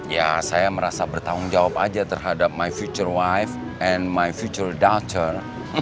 ya saya merasa bertanggung jawab aja terhadap my future wif and my future doltur